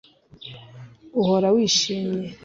Uhora wishimye